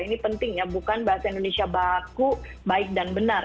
ini penting ya bukan bahasa indonesia baku baik dan benar